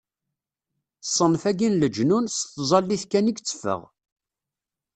Ṣṣenf-agi n leǧnun, s tẓallit kan i yetteffeɣ.